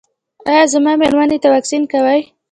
ایا زما میرمنې ته واکسین کوئ؟